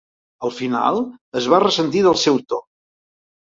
Al final es va ressentir del seu to.